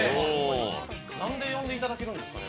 なんで呼んでいただけるんですかね